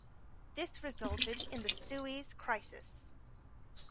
This resulted in the Suez Crisis.